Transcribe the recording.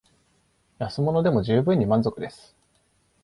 安物でも充分に満足です